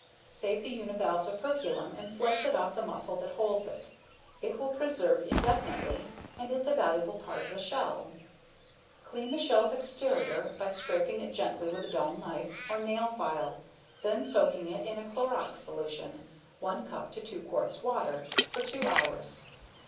Save the univalve's operculum and slice it off the muscle that holds it. It will preserve indefinitely and is a valuable part of the shell. Clean the shell's exterior by scraping it gently with a dull knife or nail file, then soaking it in a Clorox solution (1 cup to 2 quarts water) for two hours.